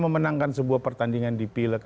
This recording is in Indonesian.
memenangkan sebuah pertandingan di pileg